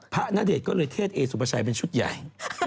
ณเดชน์ก็เลยเทศเอสุปชัยเป็นชุดใหญ่